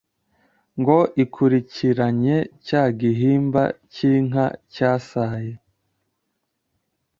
ngo ikurikiranye cya gihimba cy' inka cyasaye